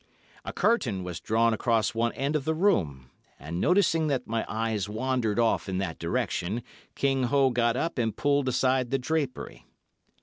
A curtain was drawn across one end of the room, and noticing that my eyes wandered off in that direction, King Ho got up and pulled aside the drapery.